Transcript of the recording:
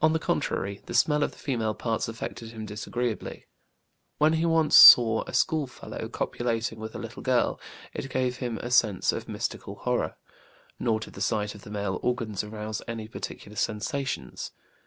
On the contrary, the smell of the female parts affected him disagreeably. When he once saw a schoolfellow copulating with a little girl, it gave him a sense of mystical horror. Nor did the sight of the male organs arouse any particular sensations.